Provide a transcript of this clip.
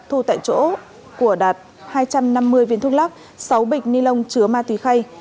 thu tại chỗ của đạt hai trăm năm mươi viên thuốc lắc sáu bịch ni lông chứa ma túy khay